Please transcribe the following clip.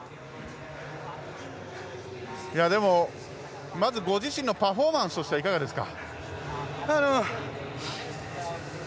でも、まずご自身のパフォーマンスとしてはいかがですか。